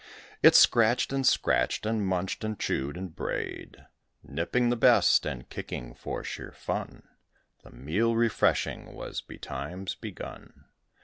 It scratch'd, and scratch'd, and munch'd, and chew'd, and bray'd Nipping the best, and kicking, for sheer fun: The meal refreshing was betimes begun.